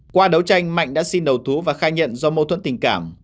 qua đấu tranh mạnh đã xin đầu thú và khai nhận do mâu thuẫn tình cảm